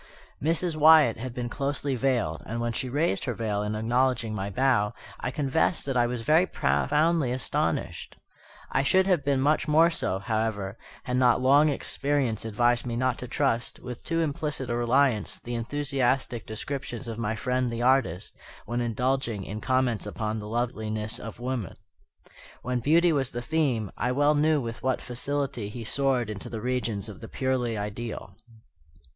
Mrs. Wyatt had been closely veiled; and when she raised her veil in acknowledging my bow, I confess that I was very profoundly astonished. I should have been much more so, however, had not long experience advised me not to trust, with too implicit a reliance, the enthusiastic descriptions of my friend the artist, when indulging in comments upon the loveliness of woman. When beauty was the theme, I well knew with what facility he soared into the regions of the purely ideal.